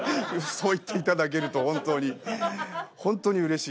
そう言っていただけると本当に本当にうれしいです。